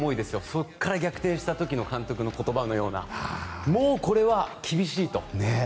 そこから逆転した時の監督の言葉のようなもうこれは厳しいと。